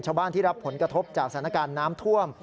ที่รับผลกระทบจากสถานการณ์น้ำท่วม